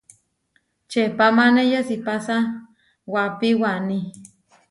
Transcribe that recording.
Čeepamáne yesipása waapí waní.